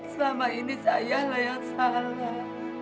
selama ini jayalah yang salah